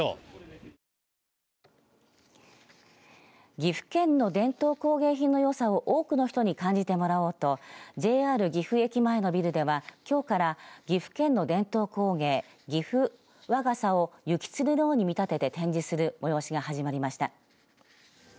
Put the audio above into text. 岐阜県の伝統工芸品のよさを多くの人に感じてもらおうとＪＲ岐阜駅前のビルではきょうから岐阜県の伝統工芸岐阜和傘を雪吊りのように見立てて展示する催しが始まりました。